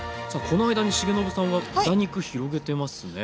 この間に重信さんは豚肉広げてますね。